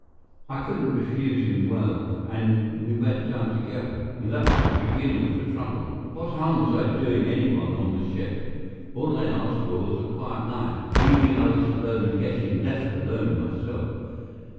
I couldn't refuse him well, and we went down together; and that was the beginning of the trouble. What harm was I doing any one on the ship? All I asked for was a quiet life, leaving others alone and getting left alone myself.